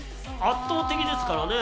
圧倒的ですからね。